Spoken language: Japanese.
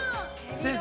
先生。